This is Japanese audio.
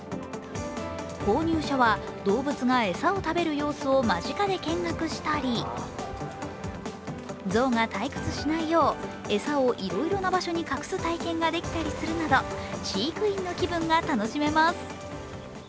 購入者は動物が餌を食べる様子を間近で見学したりゾウが退屈しないよう餌をいろいろな場所に隠す体験ができたりするなど飼育員の気分が楽しめます。